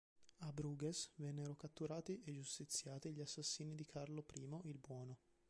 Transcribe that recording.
A Bruges vennero catturati e giustiziati gli assassini di Carlo I il Buono.